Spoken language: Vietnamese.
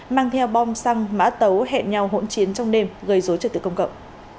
mang theo bom xăng mã tấu hẹn nhau hỗn chiến trong đêm gây dối trật tự công cộng